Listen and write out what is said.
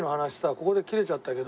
ここで切れちゃったけど。